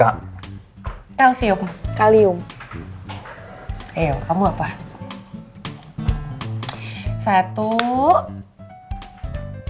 habis itu siapkan obat food dari p bakpoint déome